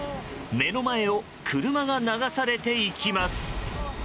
目の前を車が流されていきます。